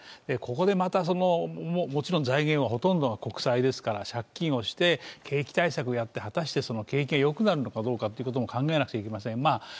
ここでまた、もちろん財源はほとんどが国債ですから借金をして景気対策をやって、果たして景気がよくなるのかどうかも考えなければいけません。